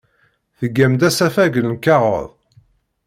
Tgam-d asafag n lkaɣeḍ.